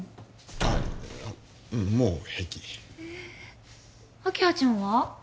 あっうんもう平気ええ明葉ちゃんは？